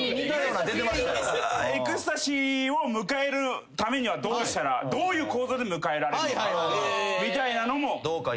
エクスタシーを迎えるためにはどうしたらどういう行動で迎えられるのかみたいなのも。